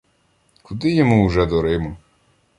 Куди йому уже до Риму?